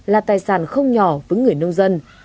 là tài sản không nhỏ với người nông dân